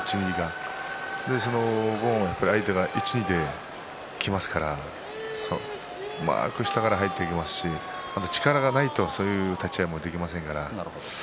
それで相手が落ち着いてきますからうまく下から入っていきますし力がないと、そういう立ち合いもできませんから。